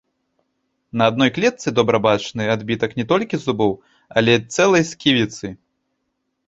На адной клетцы добра бачны адбітак не толькі зубоў, але цэлай сківіцы!